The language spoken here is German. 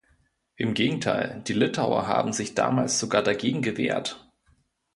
Im Gegenteil, die Litauer haben sich damals sogar dagegen gewehrt.